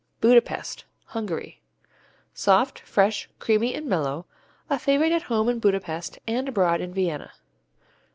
Budapest Hungary Soft, fresh, creamy and mellow, a favorite at home in Budapest and abroad in Vienna.